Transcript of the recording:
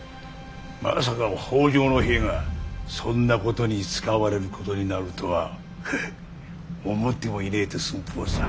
まさか北条の兵がそんなことに使われることになるとは思ってもいねえって寸法さ。